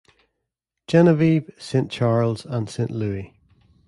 Genevieve, Saint Charles, and Saint Louis.